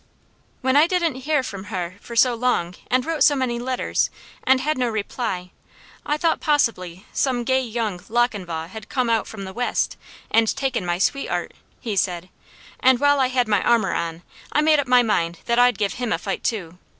"When I didn't heah from heh for so long, and wrote so many letters, and had no reply, I thought possibly some gay 'young Lochinvah had come out from the west,' and taken my sweet 'eart," he said, "and while I had my armour on, I made up my mind that I'd give him a fight too.